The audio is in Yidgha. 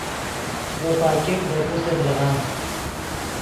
ڤے پاګیک دے پوسر لیغان